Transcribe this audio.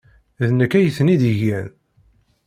D nekk ay ten-id-igan.